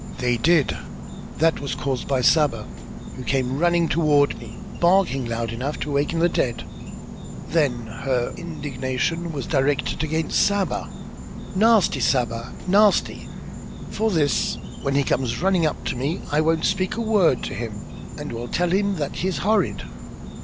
"They did. That was caused by Saba, who came running toward me, barking loud enough to awaken the dead." Then her indignation was directed against Saba. "Nasty Saba! nasty! For this when he comes running up to me I won't speak a word to him and will tell him that he is horrid."